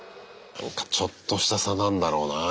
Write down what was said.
なんかちょっとした差なんだろうな。